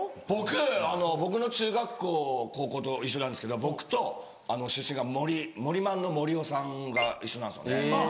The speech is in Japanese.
僕僕の中学校高校と一緒なんですけど僕と出身がモリマンのモリ夫さんが一緒なんですよね。